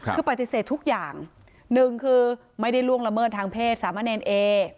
คือปฏิเสธทุกอย่างหนึ่งคือไม่ได้ล่วงละเมิดทางเพศสามะเนรเอ